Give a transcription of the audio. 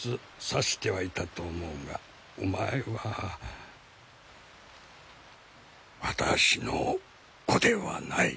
察してはいたと思うがお前は私の子ではない。